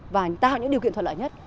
và tạo những điều kiện thuận lợi nhất